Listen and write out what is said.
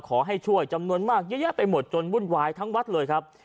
ขอให้ช่วยจำนวนมากเยอะแยะไปหมดจนวุ่นวายทั้งวัดเลยครับ